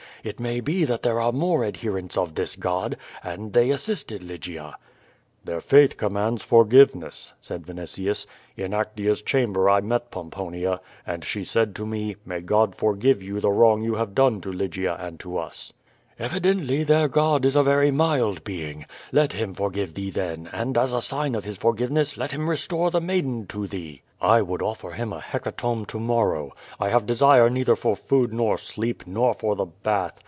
It may be that there are more adherents of this God, and they assisted Lygia/' "Their faith commands forgiveness," said Vinitius. "In Actea's chamber I met Pomponia, and she said to me, *May God forgive you the wrong you have done to Lygia and to us/'' "Evi4ently their God is a very mild being. Let Him for give thee, then, and as a sign of His forgiveness let Him restore the maiden to thee." "I would offer him a hecatomb to morrow! I have desire neither for food nor sleep nor for the bath.